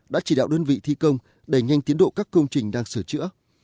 đã chỉ đạo đơn vị thi công đẩy nhanh tiến độ các công trình đang sửa chữa